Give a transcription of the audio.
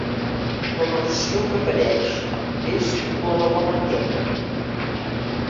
La versió que apareix és la de la maqueta.